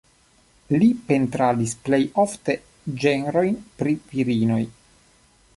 Li pentradis plej ofte ĝenrojn pri virinoj.